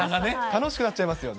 楽しくなっちゃいますよね。